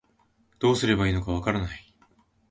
どうすればいいのかわからない